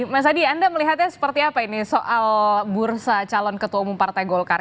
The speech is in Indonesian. mas adi anda melihatnya seperti apa ini soal bursa calon ketua umum partai golkar